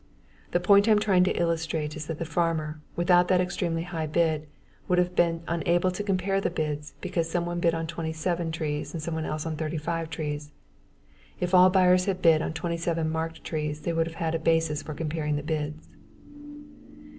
The point I am trying to illustrate is that the farmer, without that extremely high bid, would have been unable to compare the bids because someone bid on 27 trees and someone else on 35 trees. If all buyers had bid on 27 marked trees, he would have had a basis for comparing the bids.